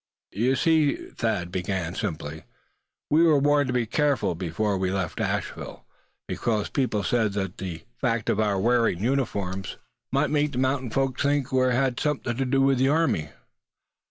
"You see," Thad began, simply, "we were warned to be careful before we left Asheville, because people said that the fact of our wearing uniforms might make the mountain folks think we had something to do with the army.